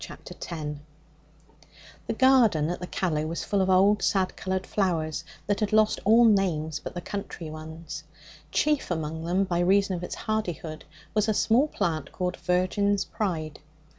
Chapter 10 The garden at the Callow was full of old, sad coloured flowers that had lost all names but the country ones. Chief among them, by reason of its hardihood, was a small plant called virgin's pride.